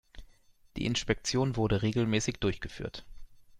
Die Inspektion wurde regelmäßig durchgeführt.